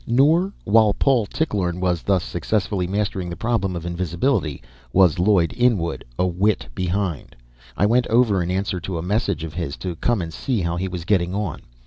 Nor, while Paul Tichlorne was thus successfully mastering the problem of invisibility, was Lloyd Inwood a whit behind. I went over in answer to a message of his to come and see how he was getting on.